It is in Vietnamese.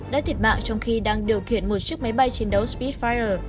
đã thiệt mạng trong khi đang điều khiển một chiếc máy bay chiến đấu spitfire